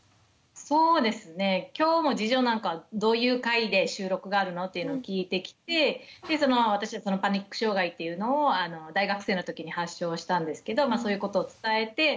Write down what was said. そうですね今日も次女なんかどういう回で収録があるの？っていうのを聞いてきてでその私はパニック障害っていうのを大学生の時に発症したんですけどそういうことを伝えて。